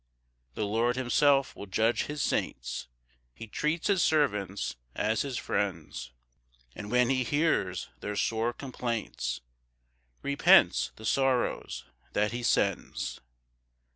3 The Lord himself will judge his saints; He treats his servants as his friends; And when he hears their sore complaints, Repents the sorrows that he sends.